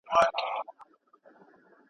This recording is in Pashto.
پېژندګلوي د څه لپاره اړینه ده؟